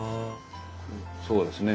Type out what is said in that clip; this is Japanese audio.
そうですね。